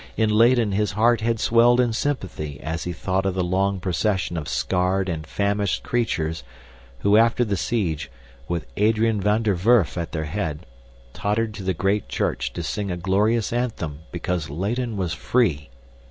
In Leyden his heart had swelled in sympathy as he thought of the long procession of scarred and famished creatures who after the siege, with Adrian van der Werf at their head, tottered to the great church to sing a glorious anthem because Leyden was free!